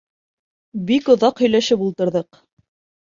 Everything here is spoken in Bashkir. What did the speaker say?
Бик оҙаҡ һөйләшеп ултырҙыҡ.